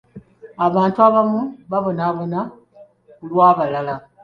Abantu abamu babonaabona ku lw'abalala.